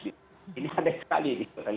ini ada sekali